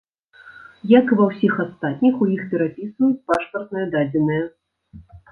Як і ва ўсіх астатніх, у іх перапісваюць пашпартныя дадзеныя.